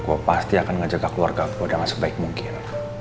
gue pasti akan ngejaga keluarga gue dengan sebaik mungkin